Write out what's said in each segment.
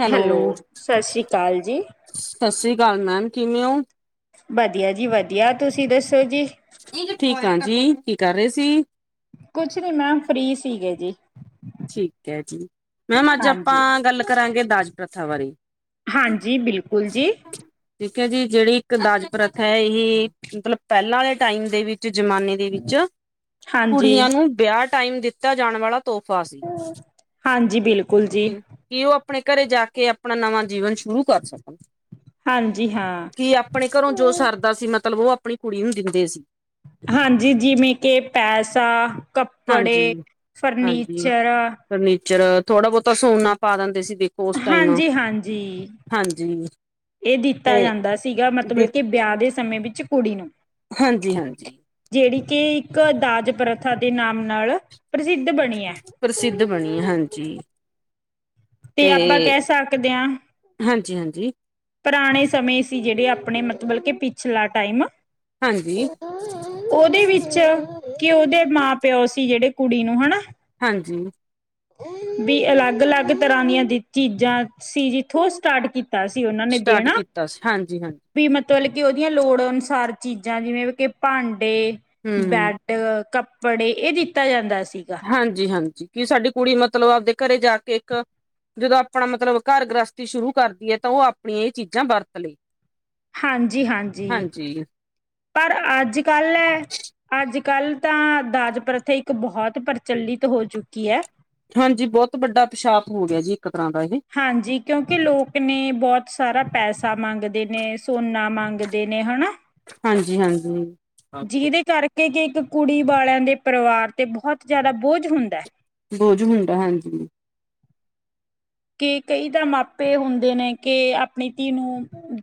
Hello ਸਤਿ ਸ੍ਰੀ ਅਕਾਲ ਜੀ ਸਤਿ ਸ੍ਰੀ ਅਕਾਲ ਕਾਲ ਮੈਮ ਕਿਵੇਂ ਹੋ ਵਧੀਆ ਜੀ ਵਧੀਆ ਤੁਸੀਂ ਦੱਸੋ ਜੀ ਠੀਕ ਆ ਜੀ ਕੀ ਕਰ ਰਹੇ ਸੀ ਕੁਛ ਨੀ ਮੈਮ ਫ੍ਰਰੀ ਸੀਗੇ ਜੀ ਠੀਕ ਹੈ ਜੀ ਮੈਮ ਅੱਜ ਆਪਾਂ ਹਾਂਜੀ ਗੱਲ ਕਰਾਂਗੇ ਦਾਜ ਪ੍ਰਥਾ ਬਾਰੇ ਹਾਂਜੀ ਬਿਲਕੁਲ ਜੀ ਕਹਿੰਦੇ ਜੀ ਜਿਹੜੀ ਇੱਕ ਦਾਜ ਪ੍ਰਥਾ ਹੈ ਇਹ ਮਤਲਬ ਪਹਿਲਾਂ ਦੇ ਟਾਈਮ ਦੇ ਵਿੱਚ ਜ਼ਮਾਨੇ ਦੇ ਵਿੱਚ ਹਾਂਜੀ ਕੁੜੀਆਂ ਨੂੰ ਵਿਆਹ ਟਾਈਮ ਦਿੱਤਾ ਜਾਣ ਵਾਲਾ ਤੋਹਫ਼ਾ ਸੀ ਹਾਂਜੀ ਬਿਲਕੁਲ ਜੀ ਕਿ ਉਹ ਆਪਣੇ ਘਰੇ ਜਾ ਕੇ ਆਪਣਾ ਨਵਾਂ ਜੀਵਨ ਸ਼ੁਰੂ ਕਰ ਸਕਣ ਹਾਂਜੀ ਹਾਂ ਕੀ ਆਪਣੇ ਘਰੋਂ ਜੋ ਸਰਦਾ ਸੀ ਮਤਲਬ ਉਹ ਆਪਣੀ ਕੁੜੀ ਨੂੰ ਦਿੰਦੇ ਸੀ ਹਾਂਜੀ ਜਿਵੇਂ ਕਿ ਪੈਸਾ ਹਾਂਜੀ ਕੱਪੜੇ ਹਾਂਜੀ ਫਰਨੀਚਰ ਫਰਨੀਚਰ ਥੋੜਾ ਬਹੁਤਾ ਸੋਨਾ ਪਾ ਦਿੰਦੇ ਸੀ ਦੇਖ ਹਾਂਜੀ ਹਾਂਜੀ ਹਾਂਜੀ ਇਹ ਦਿੱਤਾ ਤੇ ਜਾਂਦਾ ਸੀਗਾ ਦੀ ਮਤਲਬ ਕਿ ਵਿਆਹ ਦੇ ਸਮੇਂ ਵਿੱਚ ਕੁੜੀ ਨੂੰ ਹਾਂਜੀ ਹਾਂਜੀ ਕੇ ਇੱਕ ਦਾਜ ਪ੍ਰਥਾ ਦੇ ਨਾਮ ਨਾਲ ਪ੍ਰਸਿੱਧ [unintelligible] ਬਣੀ ਹੈ ਪ੍ਰਸਿੱਧ ਬਣੀ ਹਾਂਜੀ ਤੇ ਆਪਾਂ ਕਹਿ ਸਕਦੇ ਹਾਂ ਹਾਂਜੀ ਹਾਂਜੀ ਪੁਰਾਣੇ ਸਮੇਂ ਸੀ ਜਿਹੜੇ ਆਪਣੇ ਮਤਲਬ ਕਿ ਪਿਛਲਾ ਟਾਈਮ ਹਾਂਜੀ ਉਹਦੇ ਵਿੱਚ ਕਿ ਉਹਦੇ ਮਾਂ ਪਿਓ ਸੀ ਜਿਹੜੇ ਕੁੜੀ ਨੂੰ ਹਨਾ ਹਾਂਜੀ ਵੀ ਅਲੱਗ ਅਲੱਗ ਤਰ੍ਹਾਂ ਦੀਆਂ ਚੀਜ਼ਾਂ ਸੀ ਜਿਥੋਂ ਸਟਾਰਟ ਤਾਂ ਸੀ ਉਹਨਾਂ ਨੇ ਸਟਾਰਟ ਦੇਣਾ ਕੀਤਾ ਸੀ ਹਾਂਜੀ ਹਾਂਜੀ ਵੀ ਮਤ ਮਤਲਬ ਕਿ ਉਹਦੀਆਂ ਲੋੜ ਅਨੁਸਾਰ ਚੀਜ਼ਾਂ ਜਿਵੇਂ ਕਿ ਭਾਂਡੇ ਹਮ ਬੈਂਡ ਕੱਪ ਬੜੇ ਇਹ ਦਿੱਤਾ ਜਾਂਦਾ ਸੀ ਹਾਂਜੀ ਹਾਂਜੀ ਕਿ ਸਾਡੀ ਕੁੜੀ ਮਤਲਬ ਆਪਦੇ ਘਰੇ ਜਾ ਕੇ ਇੱਕ ਜਦੋਂ ਆਪਣਾ ਮਤਲਬ ਘਰ ਗ੍ਰਸਥੀ ਸ਼ੁਰੂ ਕਰਦੀ ਹੈ ਤਾਂ ਉਹ ਆਪਣੀਆਂ ਇਹ ਚੀਜ਼ਾਂ ਵਰਤ ਲਈ ਹਾਂਜੀ ਹਾਂਜੀ ਪਰ ਅੱਜ ਕੱਲ ਅੱਜ ਕੱਲ ਤਾਂ ਦਾਜ ਪ੍ਰਥਾ ਇੱਕ ਬਹੁਤ ਪ੍ਰਚਲਿਤ ਹੋ ਚੁੱਕੀ ਹੈ ਹਾਂਜੀ ਬਹੁਤ ਵੱਡਾ [unintelligible] ਹੋ ਗਿਆ ਜੀ ਤਰ੍ਹਾਂ ਦਾ ਇਹ ਹਾਂਜੀ ਕਿਉਂਕਿ ਲੋਕ ਨੇ, ਬਹੁਤ ਸਾਰਾ ਪੈਸਾ ਮੰਗਦੇ ਨੇ, ਸੋਨਾ ਮੰਗਦੇ ਨੇ ਹਨਾ। ਹਾਂਜੀ ਹਾਂਜੀ ਜਿਹਦੇ ਕਰਕੇ ਕਿ ਇੱਕ ਕੁੜੀ ਵਾਲਿਆਂ ਦੇ ਪਰਿਵਾਰ ਤੇ ਬਹੁਤ ਜਿਆਦਾ ਬੋਝ ਹੁੰਦਾ ਹੈ ਬੋਝ ਹੁੰਦਾ ਹਾਂਜੀ ਕਿ ਕਈ ਤਾਂ ਮਾਪੇ ਹੁੰਦੇ ਨੇ ਕਿ ਆਪਣੀ ਧੀ ਨੂੰ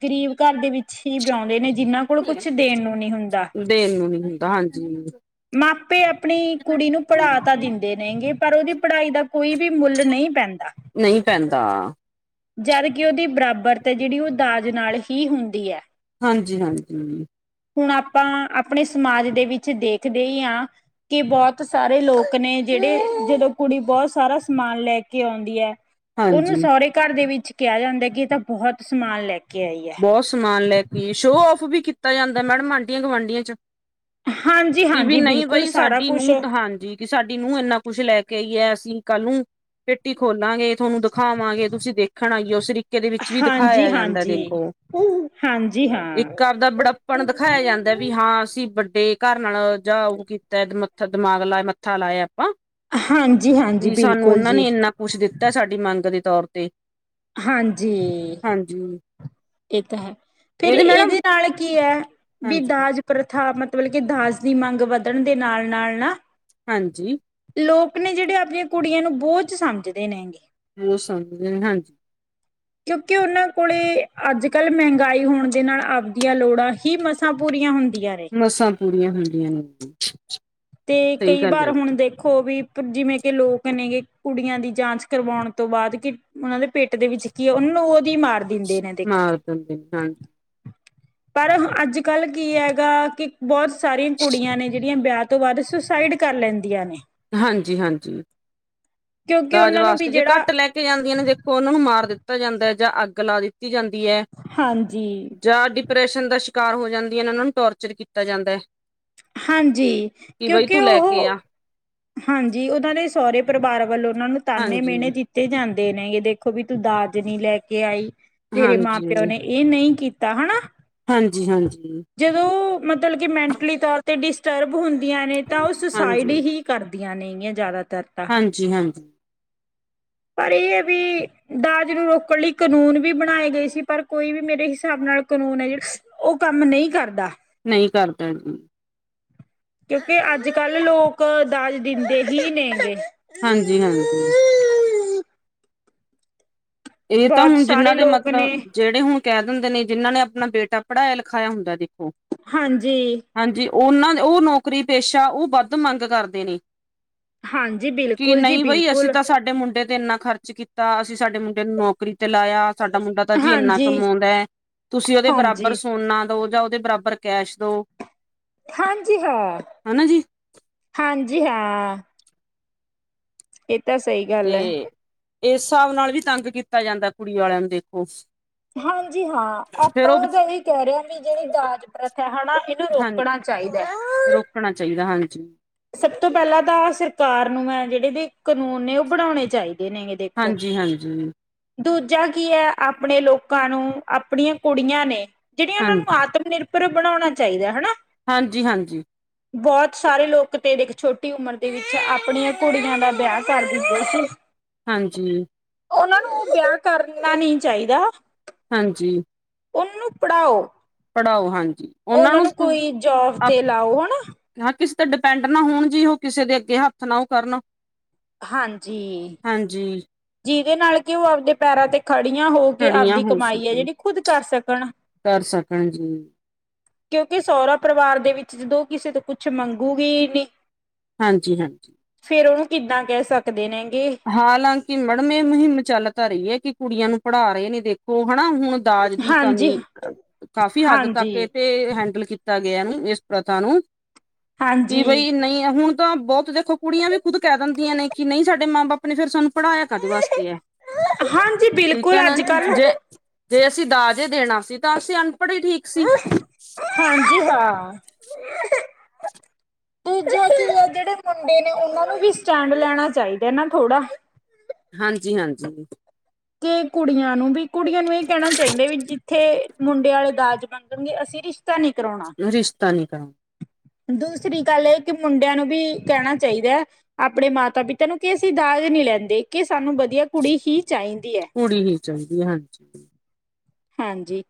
ਗਰੀਬ ਘਰ ਦੇ ਵਿੱਚ ਹੀ ਵਿਆਉਂਦੇ ਨੇ ਜਿਨਾਂ ਕੋਲ ਕੁਛ ਦੇਣ ਨੂੰ ਨੀ ਹੁੰਦਾ ਦੇਣ ਨੂੰ ਨੀ ਹੁੰਦਾ ਹਾਂਜੀ ਮਾਪੇ ਆਪਣੀ ਕੁੜੀ ਨੂੰ ਪੜ੍ਹਾ ਤਾਂ ਦਿੰਦੇ ਨੇਗੇ ਪਰ ਉਹਦੀ ਪੜ੍ਹਾਈ ਦਾ ਕੋਈ ਵੀ ਮੁੱਲ ਨਹੀਂ ਪੈਂਦਾ ਨਹੀਂ ਪੈਂਦਾ ਜਦ ਕਿ ਉਹਦੀ ਬਰਾਬਰਤ ਹੈ ਜਿਹੜੀ ਉਹ ਦਾਜ ਨਾਲ ਹੀ ਹੁੰਦੀ ਹੈ ਹਾਂਜੀ ਹਾਂਜੀ ਹੁਣ ਆਪਾਂ ਆਪਣੇ ਸਮਾਜ ਦੇ ਵਿੱਚ ਦੇਖਦੇ ਹੀ ਹਾਂ ਕਿ ਬਹੁਤ ਸਾਰੇ ਲੋਕ ਨੇ ਜਿਹੜੇ ਜਦੋਂ ਕੁੜੀ ਬਹੁਤ ਸਾਰਾ ਸਮਾਨ ਲੈ ਕੇ ਆਉਂਦੀ ਹੈ ਉਹਨੂੰ ਹਾਂਜੀ ਸਹੁਰੇ ਘਰ ਦੇ ਵਿੱਚ ਕਿਹਾ ਜਾਂਦਾ ਕਿ ਇਹ ਤਾਂ ਬਹੁਤ ਸਮਾਨ ਲੈ ਕੇ ਆਈ ਹੈ ਬਹੁਤ ਸਮਾਨ ਲੈ ਕੇ ਸ਼ੋਅ ਆਫ ਵੀ ਕੀਤਾ ਜਾਂਦਾ ਮੈਡਮ ਆਂਢੀਆਂ ਗੁਆਂਢੀਆਂ ਚ ਹਾਂਜੀ ਕਿ ਵੀ ਹਾਂਜੀ ਨਹੀਂ ਬਿਲਕੁਲ ਬਈ ਸਾਰਾ ਸਾਡੀ ਕੁਛ ਨੂੰਹ ਤਾਂ ਹਾਂਜੀ ਕਿ ਸਾਡੀ ਨੂੰਹ ਇੰਨਾ ਕੁਛ ਲੈ ਕੇ ਕਹੀ ਹੈ ਅਸੀਂ ਕੱਲ ਨੂੰ ਪੇਟੀ ਖੋਲਾਂਗੇ ਤੁਹਾਨੂੰ ਦਿਖਾਵਾਂਗੇ ਤੁਸੀਂ ਦੇਖਣ ਆਈਓ ਉਸ ਤਰੀਕੇ ਦੇ ਵਿੱਚ ਵੀ ਹਾਂਜੀ ਦਿਖਾਇਆ ਜਾਂਦਾ ਹਾਂਜੀ ਦੇਖ ਖੋ ਹਾਂਜੀ ਹਾਂ ਇੱਕ ਆਪਦਾ ਬੜੱਪਣ ਦਿਖਾਇਆ ਜਾਂਦਾ ਵੀ ਹਾਂ ਅਸੀਂ ਵ ਤੇ ਘਰ ਨਾਲ ਜਾ ਉਹ ਕੀਤਾ ਮੱਥਾ ਦਿਮਾਗ ਲਾ ਮੱਥਾ ਲਾਇਆ ਆਪਾਂ ਹਾਂਜੀ ਹਾਂਜੀ ਵੀ ਸਾਨੂੰ ਬਿਲਕੁਲ ਉਹਨਾਂ ਜੀ ਨੇ ਇੰਨਾ ਕੁਛ ਦਿੱਤਾ, ਸਾਡੀ ਮੰਗ ਦੇ ਤੌਰ ਤੇ। ਹਾਂਜੀ। ਹਾਂਜੀ ਇਹ ਤਾਂ ਹੈ। ਫਿਰ ਇਹਦੇ ਨਾਲ ਕੀ ਐ, ਵੀ ਹਾਂਜੀ ਦਾਜ ਪ੍ਰਥਾ ਮਤ ਤਲਬ ਕਿ ਦਾਜ ਦੀ ਮੰਗ ਵੱਧਣ ਦੇ ਨਾਲ ਨਾਲ ਨਾ ਹਾਂਜੀ। ਲੋਕ ਨੇ ਜਿਹੜੇ ਆਪਦੀਆਂ ਕੁੜੀਆਂ ਨੂੰ ਬੋਝ ਸਮਝਦੇ ਨੇਂਗੇ। ਉਹ ਸਮਝਦੇ ਹਾਂਜੀ। ਕਿਉਂਕਿ ਉਹਨਾਂ ਕੋਲੇ ਅੱਜ ਕੱਲ੍ਹ ਮਹਿੰਗਾਈ ਹੋਣ ਦੇ ਨਾਲ ਆਵਦੀਆਂ ਲੋੜਾਂ ਹੀ ਮਸਾਂ ਪੂਰੀਆਂ ਹੁੰਦ ਮਸਾਂ ਪੂਰੀਆਂ ਹੁੰਦੀਆਂ ਨੇ। ਤੇ ਸਹੀ ਕਈ ਗੱਲ ਹੈ ਵਾਰ ਜੀ ਹੁਣ ਦੇਖੋ ਵੀ ਜਿਵੇਂ ਕਿ ਲੋਕ ਨੇਗੇ, ਕੁੜੀਆਂ ਦੀ ਜਾਂਚ ਕਰਵਾਉਣ ਤੋਂ ਬਾਅਦ ਕਿ ਉਹਨਾਂ ਦੇ ਪੇਟ ਦੇ ਵਿੱਚ ਕੀ ਐ, ਉਹਨ ਨੂੰ ਉਦੋਂ ਈ ਮਾਰ ਦ ਮਾਰ ਦਿੰਦੇ ਨੇ, ਹਾਂਜੀ। ਪਰ ਹ ਅੱਜ ਕੱਲ੍ਹ ਕੀ ਹੈਗਾ ਕਿ ਬਹੁਤ ਸਾਰੀਆਂ ਕੁੜੀਆਂ ਨੇ ਜਿੜ ਆਂ ਵਿਆਹ ਤੋਂ ਬਾਅਦ ਸੁਸਾਈਡ ਕਰ ਲੈਂਦੀਆਂ ਨੇ। ਹਾਂਜੀ ਹਾਂਜੀ। ਕਿਉਂਕਿ ਦਾਜ ਉਹਨਾਂ ਨੂੰ ਵੀ ਵਾਸਤੇ, ਜੇ ਜਿਹੜਾ ਘੱਟ ਲੈ ਕੇ ਜਾਂਦੀਆਂ ਨੇ ਦੇਖੋ ਉਹਨਾਂ ਨੂੰ ਮਾਰ ਦਿੱਤ ਤਾ ਜਾਂਦਾ ਐ ਜਾਂ ਅੱਗ ਲਾ ਦਿੱਤੀ ਜਾਂਦੀ ਐ। ਹਾਂਜੀ ਜਾਂ ਡਿਪ ਪਰੈਂਸ਼ਨ ਦਾ ਸ਼ਿਕਾਰ ਹੋ ਜਾਂਦੀਆਂ ਨੇ, ਓਹਨਾਂ ਨੂੰ ਟੋਰਚਰ ਕੀਤਾ ਜਾਂਦਾ ਐ। ਹਾਂਜੀ ਕਿਉਂਕਿ ਓਹੋ ਕੇ ਆ ਹਾਂਜੀ, ਉਹਨਾਂ ਦੇ ਸੋਹਰੇ ਪਰਵਾਰ ਵੱਲੋਂ ਉਹਨਾਂ ਨੂੰ ਤਾਨੇ ਹਾਂਜੀ ਮੇਣੇੇ ਦਿੱਤੇ ਜਾਂਦ ਦੇ ਨੇਂਗੇ, ਦੇਖੋ ਵੀ ਤੂੰ ਦਾਜ ਨ ਲੈ ਕੇ ਆਈ, ਤੇਰੇ ਮਾਂ ਹਾਂਜੀ ਪਿਓ ਨੇ ਇਹ ਨਹੀਂ ਕੀਤਾ, ਹਣਾ। ਹਾਂਜੀ ਹਾਂਜੀ ਜਦੋਂ ਮਤਲਬ ਕਿ ਮੈਂਟਲੀ ਤੌਰ ਤੇ ਡਿਸਟਰਬ ਹੁੰਦ ਆਂ ਨੇ ਤਾਂ ਉਹ ਸੁਸਾਈਡ ਹਾਂਜੀ ਹੀ ਕਰਦੀਆਂ ਨੇਂਗੀਆਂ ਜ਼ਿਆਦਾ ਹਾਂਜੀ ਹਾਂਜੀ। ਪਰ ਇਹ ਐ ਵੀ ਦਾਜ ਨੂੰ ਰੋਕਣ ਲਈ ਕਨੂੰਨ ਵੀ ਬਣਾਏ ਗਏ ਸੀ, ਪਰ ਕੋਈ ਵੀ ਮੇਰੇ ਹਿਸਾਬ ਨਾਲ ਕਨੂੰਨ ਐ ਜਿਹੜਾ ਉਹ ਕੰਮ ਨਹੀਂ ਕਰਦਾ। ਨਹੀਂ ਕਰਦਾ ਜੀ। ਕਿਉਂਕਿ ਅੱਜ ਕੱਲ ਲੋਕ ਦਾਜ ਦਿੰਦੇ ਹੀ ਨੇ ਗੇ ਹਾਂਜੀ ਹਾਂਜੀ ਇਹ ਤਾਂ ਬਹੁਤ ਹੁਣ ਸਾਰੇ ਜਿੰਹਨਾਂ ਦੇ ਲੋਕ ਨੇ ਮਤਲਬ ਜਿਹੜੇ ਹੁਣ ਕਹਿ ਦਿੰਦੇ ਨੇ, ਜਿਹਨਾਂ ਨੇ ਆਪਣਾ ਬੇਟਾ ਪੜਾਇਆ ਲਖਾਇਆ ਹੁੰਦਾ ਜੀ ਹਾਂਜੀ। ਉਹਨਾਂ ਦੇ, ਉਹ ਨੌਕਰੀ ਪੇਸ਼ਾ, ਉਹ ਵੱਧ ਮੰਗ ਕਰਦੇ ਨੇ। ਹਾਂਜੀ ਕੀ ਬਿਲਕੁਲ ਜੀ ਨਹੀਂ ਬਈ ਅਸੀਂ ਬਿਲਕੁਲ ਤਾਂ ਸਾਡੇ ਮੁੰਡੇ ਤੇ ਇੰਨਾ ਖਰਚ ਕੀਤਾ ਅਸੀਂ ਸਾਡੇ ਮੁੰਡੇ ਨੂੰ ਨੌਕਰੀ ਤੇ ਲਾਇਆ, ਸਾਡਾ ਮੁੰਡਾ ਤਾਂ ਜੀ ਇੰਨਾ ਹਾਂਜੀ ਕਮਾਉਂਦਾ ਐ, ਤੁਸੀਂ ਉਹਦੇ ਬਰਾਬਰ ਹਾਂਜੀ ਸੋਨਾ ਦੋ ਜਾਂ ਉਹਦੇ ਬਰਾਬਰ ਕੈਸ਼ ਦੋ। ਹਾਂਜੀ ਹਾਂ, ਹਨਾ ਜੀ ਹਾਂਜੀ ਹਾਂ। ਤੇ ਸਹੀ ਗੱਲ ਐ। ਏਸ ਸਾਬ ਨਾਲ ਵੀ ਤੰਗ ਕੀਤਾ ਜਾਂਦਾ ਕੁੜੀ ਵਾਲਿਆਂ ਨੂੰ ਦੇਖੋ। ਹਾਂਜੀ ਹਾਂ, ਫੇਰ ਆਪਾਂ ਉਹ ਓਹ ਤਾਂ ਇਹ ਕਹਿ ਰੇ ਆਂ ਵੀ ਜਿਹੜੀ ਦਾਜ ਪ੍ਰਥਾ ਐ ਹਨਾ, ਇਹਨੂੰ ਹਾਂ ਰੋਕਣਾ ਚਾ ਚਾਹੀਦਾ ਐ। ਰੋਕਣਾ ਚਾਹੀਦਾ ਹਾਂਜੀ ਸਭ ਤੋਂ ਪਹਿਲਾਂ ਤਾਂ ਸਰਕਾਰ ਨੂੰ ਐਂ, ਜਿਹੜੇ ਏਦੇ ਕਨੂੰਨ ਨੇ ਉਹ ਬਣਾਉਣੇ ਚਾਹੀਦੇ। ਨੇਗੇ ਦੇਖੋ। ਹਾਂਜੀ ਹਾਂਜੀ। ਦੂਜਾ ਕੀ ਐ ਆਪਣੇ ਲੋਕਾਂ ਨੂੰ, ਆਪਣੀਆਂ ਕੁੜੀਆਂ ਨੇ, ਜਿਹੜੀਆਂ ਉਹਨਾਂ ਹਾਂਜੀ ਨੂੰ ਆਤਮ ਨਿਰਭ ਭਰ ਬਣਾਉਣਾ ਚਾਹੀਦੈ ਹਨਾ। ਹਾਂਜੀ ਹਾਂਜੀ। ਬਹੁਤ ਸਾਰੇ ਲੋਕ ਤੇ ਦੇਖ, ਛੋਟੀ ਉਮਰ ਦੇ ਵਿੱਚ ਆਪਣੀਆਂ ਕੁੜੀਆਂ ਦਾ ਵਿਆਹ ਕਰ ਦਿੰਦੇ ਸੀ। ਹਾਂਜੀ। ਉਹਨਾਂ ਨੂੰ ਵਿਆਹ ਕਰਨਾ ਨ ਚਾਹੀਦਾ ਹਾਂਜੀ ਉਹਨੂੰ ਪੜ੍ਹਾਓ ਪੜ੍ਹਾਓ ਹਾਂਜੀ ਉਹਨਾਂ ਉਹਨਾ ਨੂੰ ਕੋਈ ਜੋਬ ਤੇ ਲਾਓ ਹਨਾ ਹਾਂ ਕਿਸੇ ਤੇ ਡਿਪੈਂਡ ਨਾ ਹੋਣ ਜੀ ਉਹ ਕਿਸੇ ਦੇ ਅੱਗੇ ਹੱਥ ਨਾ ਉਹ ਕਰਨ ਹਾਂਜੀ ਹਾਂਜੀ ਜਿਹਦੇ ਨਾਲ ਕਿ ਉਹ ਆਪਦੇ ਪੈਰਾਂ ਤੇ ਖੜੀਆਂ ਹੋ ਕੇ ਖੜੀਆਂ ਆਪਦੀ ਹੋ ਕਮਾਈ ਹੈ ਸਕਣ ਜਿਹੜੀ ਖੁਦ ਕਰ ਸਕਣ ਕਰ ਸਕਣ ਜੀ ਕਿਉਂਕਿ ਸੋਹਣਾ ਪਰਿਵਾਰ ਦੇ ਵਿੱਚ ਜਦੋਂ ਕਿਸੇ ਤੋਂ ਕੁਛ ਮੰਗੂਗੀ ਨਹੀਂ ਹਾਂਜੀ ਹਾਂਜੀ ਫ਼ੇਰ ਉਹ ਕਿੱਦਾਂ ਕਹਿ ਸਕਦੇ ਨੇ ਹਾਲਾਂਕਿ ਮੈਡਮ ਇਹ ਮੁਹਿੰਮ ਚੱਲ ਤਾਂ ਰਹੀ ਹੈ ਕਿ ਕੁੜੀਆਂ ਨੂੰ ਪੜ੍ਹਾ ਰਹੇ ਨੇ ਦੇਖੋ ਹਨਾ ਹੁਣ ਦਾਜ ਦੀ ਹਾਂਜੀ ਕਮੀ ਕਾਫ਼ੀ ਹੱਦ ਤੱਕ ਇਹ ਹਾਂਜੀ ਤੇ ਹੈਂਡਲ ਕੀਤਾ ਗਿਆ ਇਸ ਪ੍ਰਥਾ ਨੂੰ ਕਿ ਹਾਂਜੀ ਬਈ ਨਹੀਂ ਹੁਣ ਤਾਂ ਬਹੁਤ ਦੇਖੋ ਕੁੜੀਆਂ ਵੀ ਖੁਦ ਕਹਿ ਦਿੰਦੀਆਂ ਨੇ ਕਿ ਨਹੀਂ ਸਾਡੇ ਮਾਂ ਬਾਪ ਨੇ ਫੇਿਰ ਸਾਨੂੰ ਪੜ੍ਹਾਇਆ ਕਦੇ ਵਾਸਤੇ ਹੈ ਹਾਂਜੀ ਠੀਕ ਬਿਲਕੁਲ ਹੈ ਨਾ ਅੱਜ ਜ ਕੱਲ ਜੇ ਜੇ ਅਸੀਂ ਦਾਜੇ ਦੇਣਾ ਸੀ ਤਾਂ ਅਸੀਂ ਅਨਪੜ੍ਹ ਹੀ ਠੀਕ ਸੀ ਹਾਂਜੀ [unintelligible] ਪੂਜਾ ਵਿੱਚ [inaudible] ਜਿਹੜੇ ਮੁੰਡੇ ਨੇ ਉਹਨਾਂ ਨੂੰ ਵੀ ਸਟੈਂਡ ਲੈਣਾ ਚਾਹੀਦਾ ਨਾ ਥੋੜਾ ਹਾਂਜੀ ਹਾਂਜੀ ਕਿ ਕੁੜੀਆਂ ਨੂੰ ਵੀ ਕੁੜੀਆਂ ਨੂੰ ਇਹ ਕਹਿਣਾ ਚਾਹੀਦਾ ਵੀ ਜਿੱਥੇ ਮੁੰਡੇ ਵਾਲੇ ਦਾਜ ਮੰਗਣਗੇ ਅਸੀਂ ਨੀ ਕਰਾਉਣਾ ਰਿਸ਼ਤਾ ਨੀ ਕਰਨਾ ਦੂਸਰੀ ਗੱਲ ਇਹ ਕਿ ਮੁੰਡਿਆਂ ਨੂੰ ਵੀ ਕਹਿਣਾ ਚਾਹੀਦਾ ਹੈ ਆਪਣੇ ਮਾਤਾ ਪਿਤਾ ਨੂੰ ਕਿ ਅਸੀਂ ਦਾਜ ਨਹੀਂ ਲੈਂਦੇ ਕਿ ਸਾਨੂੰ ਵਧੀਆ ਕੁੜੀ ਹੀ ਚਾਹੀਦੀ ਹੈ ਚੰਗੀ ਹਾਂਜੀ ਹਾਂਜੀ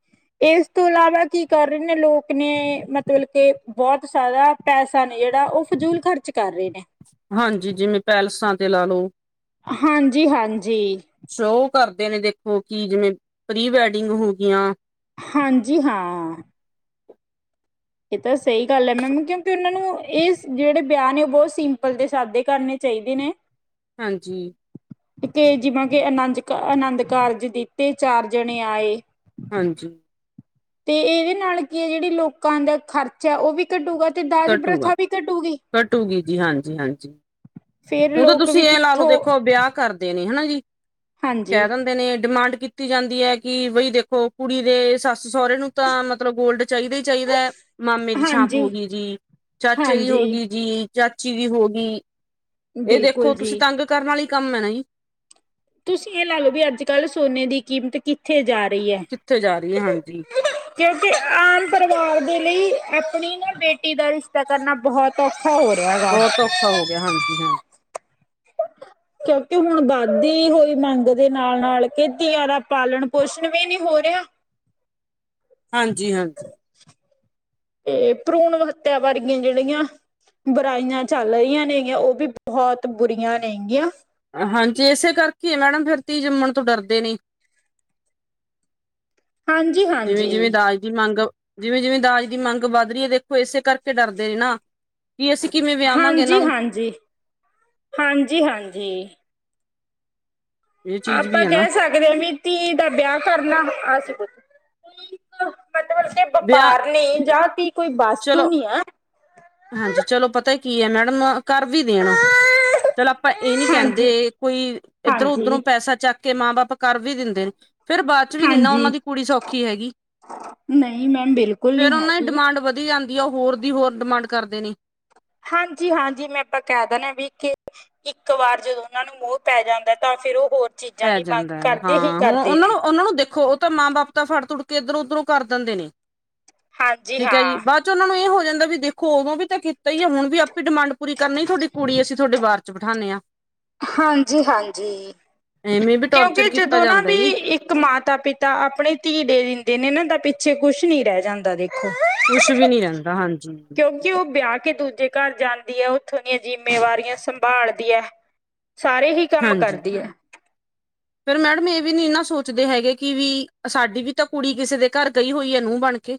ਇਸ ਤੋਂ ਇਲਾਵਾ ਕੀ ਕਰ ਰਹੇ ਨੇ ਲੋਕ ਨੇ ਮਤਲਬ ਕੇ ਬਹੁਤ ਜ਼ਿਆਦਾ ਪੈਸਾ ਨੇ ਜਿਹੜਾ ਉਹ ਫਜ਼ੂਲ ਖਰਚ ਕਰ ਰਹੇ ਨੇ ਹਾਂਜੀ ਜਿਵੇਂ ਪੈਲਸਾਂ ਤੇ ਲਾ ਲਓ, ਹਾਂਜੀ-ਹਾਂਜੀ ਸ਼ੋਅ ਕਰਦੇ ਨੇ ਦੇਖੋ ਕਿ ਜਿਵੇਂ ਪ੍ਰੀ ਵੈਡਿੰਗ ਹੋ ਗਿਆ ਹਾਂਜੀ ਹਾਂ ਇਹ ਤਾਂ ਸਹੀ ਗੱਲ ਹੈ ਮੈਮ ਕਿਉਂਕਿ ਉਹਨਾਂ ਨੂੰ ਇਹ ਜਿਹੜੇ ਵਿਆਹ ਨੇ ਉਹ ਬਹੁਤ ਸਿੰਪਲ ਦੇ ਸਾਦੇ ਕਰਨੇ ਚਾਹੀਦੇ ਨੇ ਹਾਂਜੀ ਕੇ ਜਿਵੇਾਂ ਕਿ ਅਨੰਦ ਆਨੰਦ ਕਾਰਜ ਦਿੱਤੇ ਚਾਰ ਜਣੇ ਆਏ ਹਾਂਜੀ ਤੇ ਇਹਦੇ ਨਾਲ ਕੀ ਹੈ ਜਿਹੜੀ ਲੋਕਾਂ ਦਾ ਖਰਚਾ ਉਹ ਵੀ ਕੱਢੂਗਾ ਤੇ ਦਾਜ ਘਟੂਗਾ ਪ੍ਰਥਾ ਵੀ ਘਟੂਗੀ ਘਟੂਗੀ ਜੀ ਹਾਂਜੀ ਹਾਂਜੀ ਫੇਰ ਹੁਣ ਤਾਂ ਲੋਕ ਤੁਸੀਂ ਵੀ ਇਹ ਲਾ ਲਓ ਕਿੱਥੋਂ ਦੇਖੋ ਵਿਆਹ ਕਰਦੇ ਨੇ ਹਨਾ ਜੀ ਹਾਂਜੀ ਕਹਿ ਦਿੰਦੇ ਨੇ ਡਿਮਾਂਡ ਕੀਤੀ ਜਾਂਦੀ ਹੈ ਕਿ ਬਈ ਦੇਖੋ ਕੁੜੀ ਦੇ ਸੱਸ ਸਹੁਰਰੇ ਨੂੰ ਤਾਂ ਮਤਲਬ ਗੋਲਡ ਚਾਹੀਦਾ ਹੀ ਚਾਹੀਦਾ ਹੈ ਮਾਮੇ ਦੀ ਛਾਂਪ ਹੋ ਹਾਂਜੀ ਗਈ ਜੀ ਚਾਚੇ ਵੀ ਹੋ ਹਾਂਜੀ ਗਈ ਜੀ ਚਾਚੀ ਵੀ ਹੋ ਗਈ ਇਹ ਦੇਖੋ ਬਿਲਕੁਲ ਤੁਸੀਂ ਜੀ ਤੰਗ ਕਰਨ ਵਾਲੀ ਕੰਮ ਹੈ ਨਾ ਜੀ ਤੁਸੀਂ ਇਹ ਲਾ ਲਓ ਵੀ ਅੱਜ ਕੱਲ੍ਹ ਸੋਨੇ ਦੀ ਕੀਮਤ ਕਿੱਥੇ ਜਾ ਰਹੀ ਹੈ ਕਿੱਥੇ ਜਾ ਰਹੀ ਹੈ ਹਾਂਜੀ ਕਿਉਂਕਿ ਆਮ ਪਰਿਵਾਰ ਦੇ ਲਈ ਆਪਣੀ ਨਾ ਬੇਟੀ ਦਾ ਰਿਸ਼ਤਾ ਕਰਨਾ ਬਹੁਤ ਔਖਾ ਹੋ ਰਿਹਾ ਗਾ ਬਹੁਤ ਔਖਾ ਹੋ ਗਿਆ ਹਾਂਜੀ ਹਾਂ ਕਿਉਂਕਿ ਹੁਣ ਵੱਧਦੀ ਹੋਈ ਮੰਗ ਦੇ ਨਾਲ ਨਾਲ ਖੇਤੀੀਆਂ ਦਾ ਪਾਲਣ ਪੋਸ਼ਣ ਵੀ ਨਹੀਂੀ ਹੋ [unintelligible] ਹਾਂਜੀ-ਹਾਂਜੀ ਤੇ ਭਰੂਣ ਹੱਤਿਆ ਵਰਗੀਆ ਜਿਹੜੀਆਂ ਬੁਰਾਈਆਂ ਚੱਲ ਰਹੀਆਂ ਨੇਗੀਆਂ ਉਹ ਵੀ ਬਹੁਤ ਬੁਰੀਆਂ ਨੇਗੀਆਂ ਹਾਂਜੀ ਇਸੇ ਕਰਕੇ ਮੈਡਮ ਫਿਰ ਤੀਂ ਜੰਮਣ ਤੋਂ ਡਰਦੇ ਨੀ ਹਾਂਜੀ ਹਾਂਜੀ ਜਿਵੇਂ-ਜਿਵੇਂ ਦਾਜ ਦੀ ਮੰਗ ਜਿਵੇਂ-ਜਿਵੇਂ ਦਾਜ ਦੀ ਮੰਗ ਵੱਧ ਰਹੀ ਹੈ ਦੇਖੋ ਇਸੇ ਕਰਕੇ ਡਰਦੇ ਨੇ ਨਾ ਕਿ ਅਸੀਂ ਕਿਵੇਂ ਵਿਆਵਾਂਗੇ ਇਹਨਾਂ ਨੂੰ ਹਾਂਜੀ-ਹਾਂਜੀ-ਹਾਂਜੀ-ਹਾਂਜੀ ਇਹ ਚੀਜ਼ ਵੀ ਆਪਾਂ ਹੈ ਨਾ ਕਹਿ ਸਕਦੇ ਹਾਂ ਵੀ ਧੀ ਦਾ ਵਿਆਹ ਕਰਨਾ ਅਸੀ ਕੁਛ ਮਤਲਬ ਆਪਣੇ ਵਿਆਹ ਵਪਾਰ ਨੇ ਜਾਂ ਕੀ ਕੋਈ ਵਸਤੂ ਚਲੋ ਨਹੀਂ ਹੈ ਹਾਂਜੀ ਚਲੋ ਪਤਾ ਕੀ ਹੈ ਮੈਡਮ ਨੂੰ ਘਰ ਵੀ ਦੇਣ ਚਲ ਆਪਾਂ ਇਹ ਨੀ ਕਹਿੰਦੇ ਹਾਂਜੀ ਕੋਈ ਇੱਧਰੋਂ ਹਾਂਜੀ ਉੱਧਰੋਂ ਪੈਸਾ ਚੱਕ ਕੇ ਮਾਂ ਬਾਪ ਕਰ ਵੀ ਦਿੰਦੇ ਨੇ, ਫੇਰ ਬਾਅਦ ਚ ਵੀ ਨ ਨਾ ਉਹਨਾਂ ਹਾਂਜੀ ਦੀ ਕੁੜੀ ਸੌਖੀ ਹੈਗੀ ਨਹੀਂ ਮੈਮ ਬਿਲਕੁਲ ਨਹੀਂ ਫੇਰ ਉਹਨਾਂ ਦੀ ਹੈਗੀ ਡਿਮਾਂਡ ਵਧ ਆਂਦੀ ਆ ਉਹ ਹੋਰ ਦੀ ਹੋਰ ਡਿਮਾਂਡ ਕਰਦੇ ਨੇ ਹਾਂਜੀ-ਹਾਂਜੀ ਮੈਂ ਆਪਾਂ ਕਹਿ ਦੇਣਾ ਵੀ ਕਿ ਇੱਕ ਵਾਰ ਜਦੋਂ ਉਹਨਾਂ ਨੂੰ ਮੋਹ ਪੈ ਜਾਂਦਾ ਤਾਂ ਫ਼ਿਰ ਉਹ ਹੋਰ ਚੀਜ਼ਾਂ ਪੈ ਦੀ ਮੰਗ ਜਾਂਦਾ ਹੈ ਕਰਦੇ ਹੀ ਹਾਂ ਹੁਣ ਕਰਦੇ ਉਹਨਾਂ ਨੇ। ਨੂੰ ਉਹਨਾਂ ਨੂੰ ਦੇਖੋ। ਤਾਂ ਮਾਂ ਬਾਪ ਤਾਂ ਫੜ ਤੜ ਕੇ ਇੱਧਰੋਂ ਉਧਰੋਂ ਕਰ ਦਿੰਦੇ ਨੇ ਹਾਂਜੀ ਠੀਕ ਹੈ, ਜੀ ਹਾਂ, ਬਾਅਦ ਚ ਉਹਨਾ ਨੂੰ ਇਹ ਹੋ ਰਹਿੰਦਾ ਵੀ ਦੇਖੋ ਉਦੋਂ ਵੀ ਤਾਂ ਕੀਤਾ ਹੀ ਆ ਹੁਣ ਵੀ ਆਪਣੀ ਡਿਮਾਂਡ ਪੂਰੀ ਕਰਨੀ ਹੀ ਤੁਹਾਡੀ ਕੁੜੀ ਅਸੀਂ ਤੁਹਾਡੇ ਬਾਹਰ ਚ ਬਿਠਾਨੇ ਆ। ਹਾਂਜੀ-ਹਾਂਜੀ ਐਵੇਂ ਵੀ ਕਿਉਂਕਿ ਟੋਰਚਰ ਕੀਤਾ ਜਦੋਂ ਨਾ ਜਾਂਦਾ ਵੀ ਜੀ ਇੱਕ ਮਾਤਾ ਪਿਤਾ ਆਪਣੀ ਧੀ ਦੇ ਦਿੰਦੇ ਨੇ ਤਾ ਪਿ ਪਿੱਛੇ ਕੁਛ ਨੀ ਰਹਿ ਜਾਂਦਾ ਦੇਖੋ। ਕੁਛ ਵੀ ਨੀ ਰਹਿੰਦਾ ਹਾਂਜੀ, ਕਿਉਂਕਿ ਉਹ ਵਿਆਹ ਕੇ ਦੂਜੇ ਘਰ ਜਾਂਦੀ ਹੈ ਉੱਥੋਂ ਦੀਆਂ ਜਿੰਮੇਵਾਰੀਆਂ ਸੰਭਾਲਦੀ ਹੈ। ਹਾਂਜੀ ਫਿਰ ਮੈਡਮ ਇਹ ਵੀ ਨੀ ਨਾ ਸੋਚਦੇ ਹੈਗੇ। ਕਿ ਵੀ ਸਾਡੀ ਵੀ ਤਾਂ ਕੁੜੀ ਕਿਸੇ ਦੇ ਘਰ ਗਈ ਹੋਈ ਹੈ ਨੂੰਹ ਬਣ ਕੇ।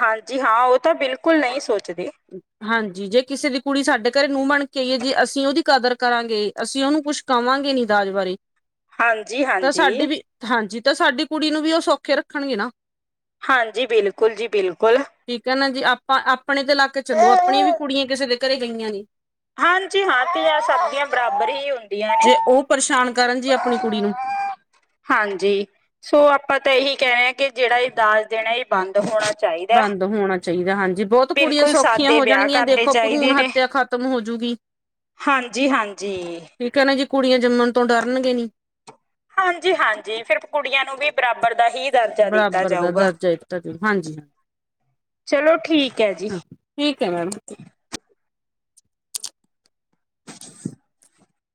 ਹਾਂਜੀ ਹਾਂ ਉਹ ਤਾਂ ਬਿਲਕੁਲ ਨਹੀਂ ਸੋ ਹਾਂਜੀ ਜੇ ਕਿਸੇ ਦੀ ਕੁੜੀ ਸਾਡੇ ਘਰੇ ਨੂੰਹ ਬਣ ਕੇ ਆਈਏ ਜੇ ਅਸੀਂ ਉਹਦੀ ਕਦਰ ਕਰਾਂਗੇ ਅਸੀਂ ਉਹਨੂੰ ਕੁਛ ਕਵਾਂਗੇ ਨੀ ਦਾਜ ਬਾਰੇ ਤਾਂ ਹਾਂਜੀ-ਹਾਂਜੀ, ਸਾਡੀ ਹਾਂਜੀ ਵੀ ਹਾਂਜੀ ਤਾਂ ਸਾਡੀ ਕੁੜੀ ਨੂੰ ਵੀ ਉਹ ਸੌਖੇ ਰੱਖਣਗੇ ਨਾ ਹਾਂਜੀ ਬਿਲਕੁਲ ਜੀ ਬਿਲਕੁਲ ਠੀਕ ਹੈ ਨਾ ਜੀ ਆਪਾਂ ਆਪਣੇ ਤੇ ਲਾਕੇ ਚੱਲੋ ਆਪਣੀਆਂ ਵੀ ਕੁੜੀਆਂ ਕਿਸੇ ਦੇ ਘਰੇ ਗਈਆਂ ਨੇ ਹਾਂਜੀ ਹਾਂ ਤੇ ਆ ਸਬਦੀਆਂ ਬਰਾਬਰ ਹੀ ਹੁੰਦੀ। ਜੇ ਉਹ ਪਰੇਸ਼ਾਨ, ਕਰਨ ਜੀ ਆਪਣੀ ਕੁੜੀ ਨੂੰ ਹਾਂਜੀ ਸੋ ਆਪਾਂ ਤਾਂ ਇਹੀ ਕਹਿ ਕੇ ਜਿਹੜਾ ਇਹ ਦਾਜ ਦੇਣਾ ਇਹ ਬੰਦ ਹੋਣਾ। ਚਾਹੀਦਾ ਬੰਦ ਹੋਣਾ ਚਾਹੀਦਾ ਹਾਂਜੀ ਜੀ ਬਹੁਤ ਕੁੜੀਆਂ ਬਿਲਕੁਲ ਸੌਖੀਆਂ ਸਾਦੇ ਹੋ ਵਿਆਹ ਜਾਣਗੀਆਂ ਕਰਨੇ ਦੇਖੋ ਭਰੂਣ ਹੱਤਿਆ ਖ਼ਤਮ ਹੋਜੂਗੀ ਹਾਂਜੀ-ਹਾਂਜੀ ਠੀਕ ਹੈ ਨਾ ਜੀ ਕੁੜੀਆਂ ਜੰਮਣ ਤੋਂ ਡਰਨਗੇ ਨੀ ਹਾਂਜੀ-ਹਾਂਜੀ ਫਿਰ ਕੁੜੀਆਂ ਨੂੰ ਵੀ ਬਰਾਬਰ ਦਾ ਹੀ ਦਰਜਾ ਦਿੱਤਾ ਬਰਾਬਰ ਦਾ ਜਾਊਗਾ ਦਰਜਾ ਹਾਂਜੀ-ਹਾਂਜੀ, ਚਲੋ ਠੀਕ ਹੈ ਜੀ ਠੀਕ ਹੈ ਮੈਮ [inaudible]